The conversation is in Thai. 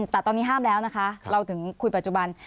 แต่ตอนนี้ห้ามแล้วนะคะเราถึงคุยปัจจุบัน